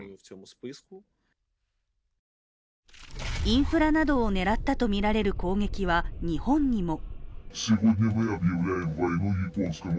インフラなどを狙ったとみられる攻撃は日本にも。